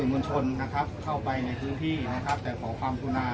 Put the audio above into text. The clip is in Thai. มวลชนนะครับเข้าไปในพื้นที่นะครับแต่ขอความกุณา